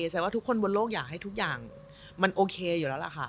แสดงว่าทุกคนบนโลกอยากให้ทุกอย่างมันโอเคอยู่แล้วล่ะค่ะ